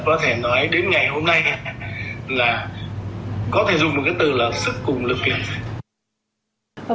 và có thể nói đến ngày hôm nay là có thể dùng một cái từ là sức cùng lực kiểm soát